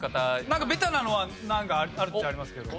なんかベタなのはなんかあるっちゃありますけど。